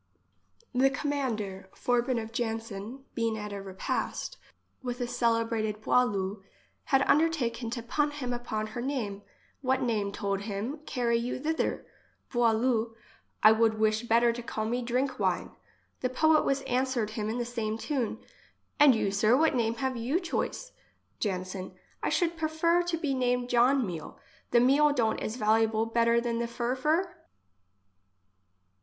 55 The commander Forbin of Janson, being at a repast with a celebrated Boileau, had un dertaken to pun him upon her name :—" What name, told him, carry you thither? Boileau: I would wish better to call me Drink wine." The poet was answered him in the same tune :—" And you, sir, what name have you choice ? Janson: I should prefer to be named John Meal. The meal don't is valuable better than the furfur?"